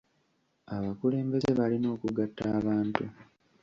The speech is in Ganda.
Abakulembeze balina okugatta abantu.